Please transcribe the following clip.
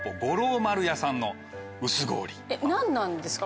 何なんですか？